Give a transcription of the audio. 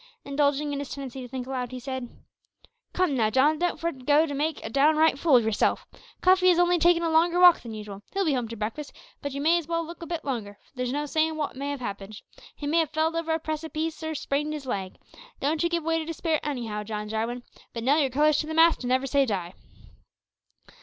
Indulging in his tendency to think aloud, he said "Come now, John, don't go for to make a downright fool of yerself. Cuffy has only taken a longer walk than usual. He'll be home to breakfast; but you may as well look a bit longer, there's no sayin' wot may have happened. He may have felled over a precepiece or sprain'd his leg. Don't you give way to despair anyhow, John Jarwin, but nail yer colours to the mast, and never say die."